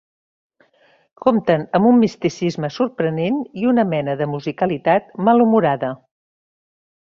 Compten amb un misticisme sorprenent i una mena de musicalitat malhumorada.